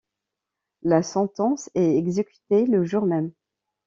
La sentence est exécutée le jour même.